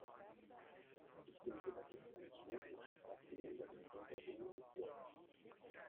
Ich denke, das ist ganz logisch, auch gegenüber den Bürgerinnen und Bürgern.